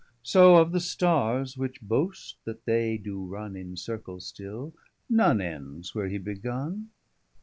So, of the Starres which boast that they doe runne 275 In Circle still, none ends where he begun.